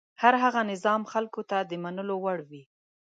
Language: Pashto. هر هغه نظام خلکو ته د منلو وړ وي.